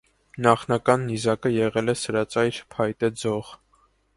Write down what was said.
Նախնական նիզակը եղել է սրածայր փայտե ձող։